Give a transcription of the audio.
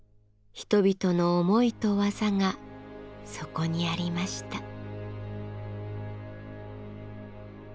人々の思いと技がそこにありました。